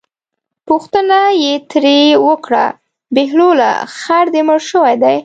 پوښتنه یې ترې وکړه بهلوله خر دې مړ شوی دی.